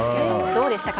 どうでしたか？